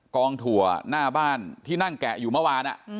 กองถั่วหน้าบ้านที่นั่งแกะอยู่เมื่อวาน